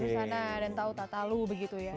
dubesana dan tahu tata lu begitu ya